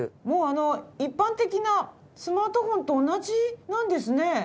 もう一般的なスマートフォンと同じなんですね。